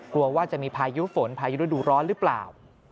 กลัวว่าจะมีพายุฝนพายุฤดูร้อนหรือเปล่า